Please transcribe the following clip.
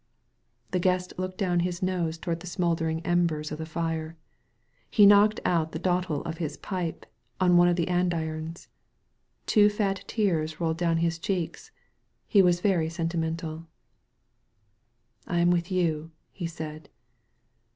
The Guest looked down his nose toward the smouldering embers of the fire. He knocked out the dottle of his pipe on one of the andirons. Two fat tears rolled down his cheeks; he was very senti mental. "I am with you," he said.